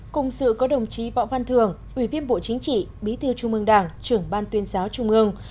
cùng sự có đồng chí võ văn thường ủy viên bộ chính trị bí thư trung ương đảng trưởng ban tuyên giáo trung ương